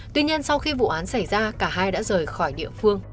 tuy nhiên sau khi vụ án xảy ra cả hai đã rời khỏi địa phương